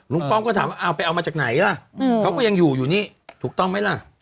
ป้อมก็ถามว่าเอาไปเอามาจากไหนล่ะเขาก็ยังอยู่อยู่นี่ถูกต้องไหมล่ะ